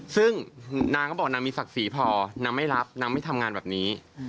ซึ่งนางก็บอกนางมีศักดิ์ศรีพอนางไม่รับนางไม่ทำงานแบบนี้